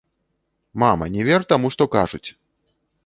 Мама, не вер таму, што кажуць.